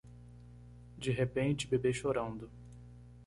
De repente bebê chorando